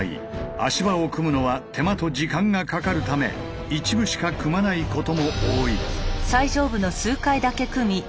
足場を組むのは手間と時間がかかるため一部しか組まないことも多い。